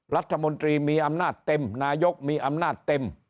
รัฐมนตรีมีอำนาจเต็มนายกมีอำนาจเต็ม